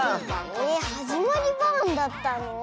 えっ「はじまりバーン」だったの？